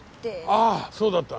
ああそうだった。